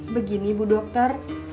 begini bu dokter